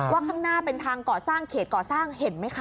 ข้างหน้าเป็นทางก่อสร้างเขตก่อสร้างเห็นไหมคะ